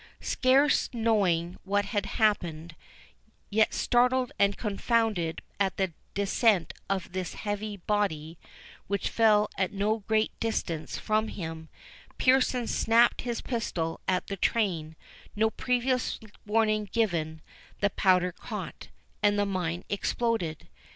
Scarce knowing what had happened, yet startled and confounded at the descent of this heavy body, which fell at no great distance from him, Pearson snapt his pistol at the train, no previous warning given; the powder caught, and the mine exploded.